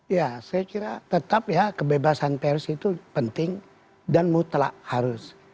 ya saya kira tetap ya kebebasan pers itu penting dan mutlak harus